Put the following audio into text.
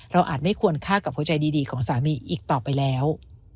อาจไม่ควรฆ่ากับหัวใจดีของสามีอีกต่อไปแล้ว